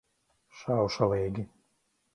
Šaušalīgi.